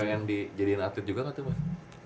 pengen dijadiin atlet juga gak tuh mas